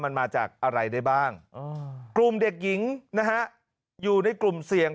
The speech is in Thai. มันมาจากอะไรได้บ้างกลุ่มเด็กหญิงนะฮะอยู่ในกลุ่มเสี่ยง